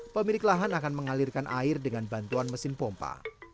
pemilik lahan akan mengalirkan air dengan bantuan mesin pompa